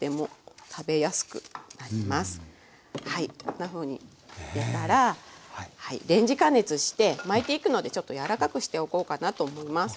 こんなふうに入れたらレンジ加熱して巻いていくのでちょっと柔らかくしておこうかなと思います。